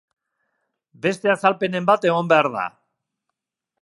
Beste azalpenen bat egon behar da.